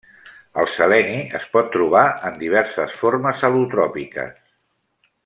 El seleni es pot trobar en diverses formes al·lotròpiques.